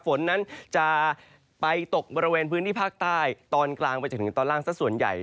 ฝนนั้นจะไปตกบริเวณพื้นที่ภาคใต้ตอนกลางไปจนถึงตอนล่างสักส่วนใหญ่